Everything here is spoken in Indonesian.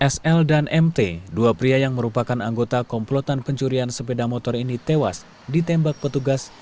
sl dan mt dua pria yang merupakan anggota komplotan pencurian sepeda motor ini tewas ditembak petugas